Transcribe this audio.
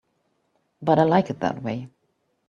But I like it that way.